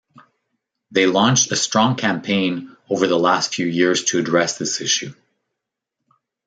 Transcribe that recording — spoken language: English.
They launched a strong campaign over the last few years to address this issue.